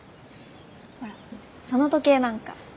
ほらその時計なんか。